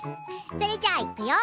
それじゃいくよ